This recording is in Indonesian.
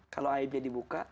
kalau aibnya dibuka